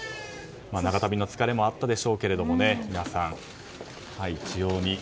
長旅の疲れもあったでしょうけども皆さん